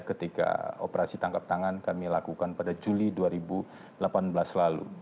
ketika operasi tangkap tangan kami lakukan pada juli dua ribu delapan belas lalu